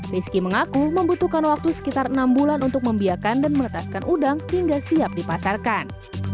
rizky mengaku membutuhkan waktu sekitar enam bulan untuk membiarkan dan meletaskan udang hingga siap dipasarkan